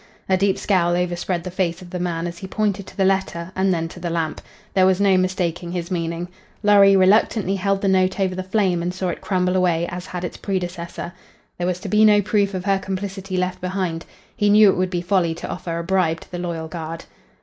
A deep scowl overspread the face of the man as he pointed to the letter and then to the lamp. There was no mistaking his meaning. Lorry reluctantly held the note over the flame and saw it crumble away as had its predecessor. There was to be no proof of her complicity left behind. He knew it would be folly to offer a bribe to the loyal guard.